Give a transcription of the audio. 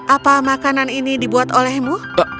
apa makanan ini dibuat olehmu